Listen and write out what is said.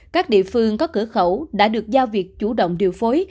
các địa phương có cửa khẩu đã được giao việc chủ động điều phối